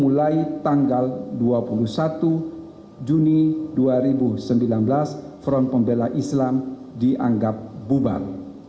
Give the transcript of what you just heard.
mulai tanggal dua puluh satu juni dua ribu sembilan belas front pembela islam dianggap bubar